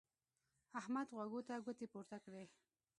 احمد غوږو ته ګوتې پورته کړې.